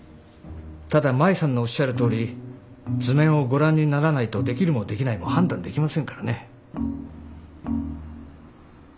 ただ舞さんのおっしゃるとおり図面をご覧にならないとできるもできないも判断できませんからね。